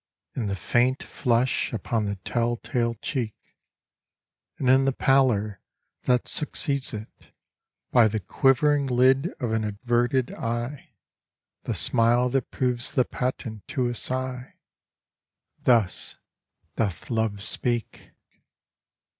In the faint flush upon the tell tale cheek, And in the pallor that succeeds it; by The quivering lid of an averted eye The smile that proves the patent to a sigh Thus doth Love speak.